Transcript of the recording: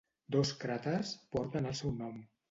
Dos cràters porten el seu nom.